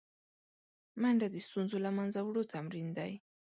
منډه د ستونزو له منځه وړو تمرین دی